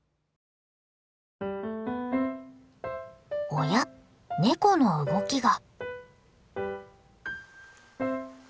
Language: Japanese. おやネコの動きが。